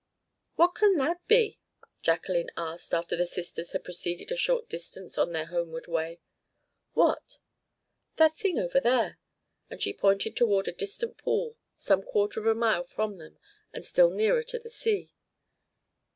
"What can that be?" Jacqueline asked after the sisters had proceeded a short distance on their homeward way. "What?" "That thing over there;" and she pointed toward a distant pool some quarter of a mile from them and still nearer to the sea.